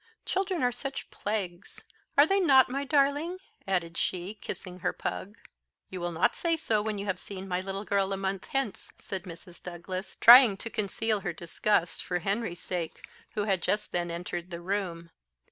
Children are such plagues! Are they not, my darling?" added she, kissing her pug. "You will not say so when you have seen my little girl a month hence," said Mrs. Douglas, trying to conceal her disgust for Henry's sake, who had just then entered the room.